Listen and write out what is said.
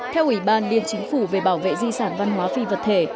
theo ủy ban liên chính phủ về bảo vệ di sản văn hóa phi vật thể